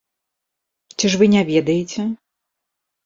Ці ж вы не ведаеце?